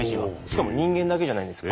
しかも人間だけじゃないんです